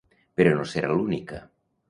Però no serà l’única.